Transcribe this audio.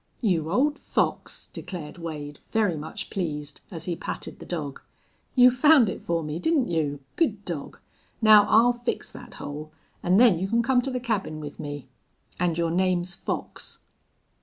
"You old fox," declared Wade, very much pleased, as he patted the dog. "You found it for me, didn't you? Good dog! Now I'll fix that hole, an' then you can come to the cabin with me. An' your name's Fox."